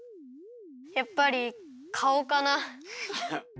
やっぱりかおかな。